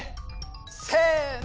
せの！